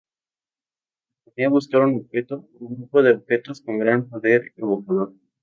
Proponía buscar un objeto o grupo de objetos con gran poder evocador.